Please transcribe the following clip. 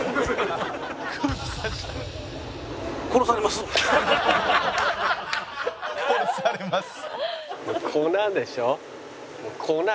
「殺されます？」。